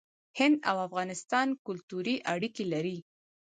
هند او افغانستان کلتوري اړیکې لري.